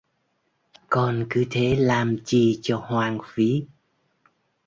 Con cứ thế lam chi cho hoang phí